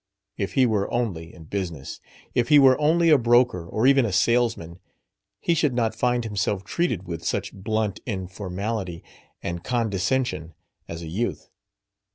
If he were only in business if he were only a broker or even a salesman he should not find himself treated with such blunt informality and condescension as a youth.